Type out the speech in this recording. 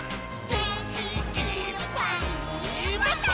「げんきいっぱいもっと」